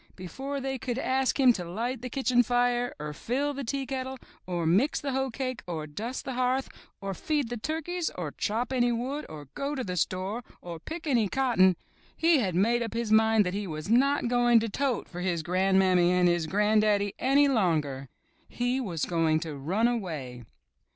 Before they could ask him to light the kitchen fire, or fill the teakettle, or mix the hoecake, or dust the hearth, or feed the turkeys, or chop any wood, or go to the store, or pick any cotton, he had made up his mind that he was not going to tote for his gran'mammy and his gran'daddy any longer. He was going to run away